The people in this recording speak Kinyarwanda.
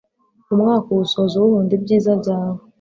umwaka uwusoza uwuhunda ibyiza byawe